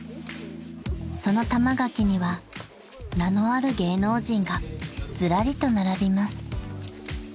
［その玉垣には名のある芸能人がずらりと並びます］